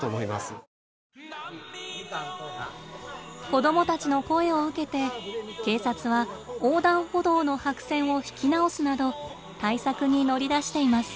子どもたちの声を受けて警察は横断歩道の白線を引き直すなど対策に乗り出しています。